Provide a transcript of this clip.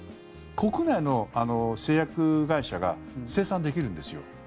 国内の製薬会社が生産できるんですよ。